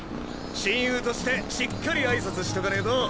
親友としてしっかり挨拶しとかねぇと。